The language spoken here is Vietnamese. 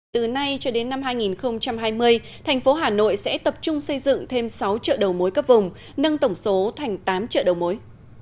từ nay cho đến năm hai nghìn hai mươi thành phố hà nội sẽ tập trung xây dựng thêm sáu chợ đầu mối cấp vùng nâng tổng số thành tám chợ đầu mối